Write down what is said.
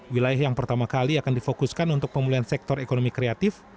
wilayah yang pertama kali akan difokuskan untuk pemulihan sektor ekonomi kreatif